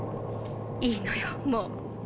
いいのよ、もう。